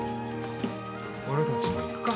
俺たちも行くか。